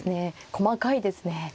細かいですね。